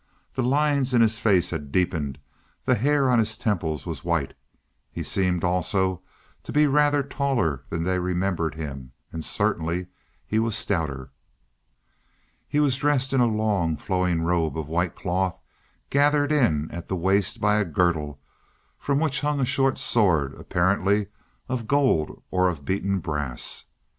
The lines in his face had deepened; the hair on his temples was white. He seemed also to be rather taller than they remembered him, and certainly he was stouter. He was dressed in a long, flowing robe of white cloth, gathered in at the waist by a girdle, from which hung a short sword, apparently of gold or of beaten brass.